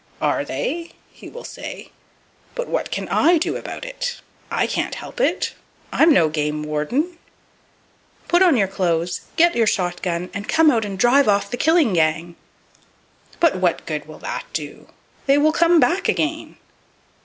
"Are they?" he will say. "But what can I do about it? I can't help it! I'm no game warden." "Put on your clothes, get your shot gun and come out and drive off the killing gang." "But what good will that do? They will come back again."